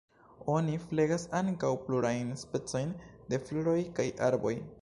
Oni flegas ankaŭ plurajn specojn de floroj kaj arboj.